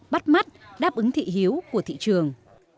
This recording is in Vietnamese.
bắt mắt đáp ứng thị hiếu của thị trường